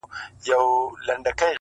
د يوسفي ښکلا له هر نظره نور را اورې_